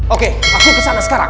oke aku kesana sekarang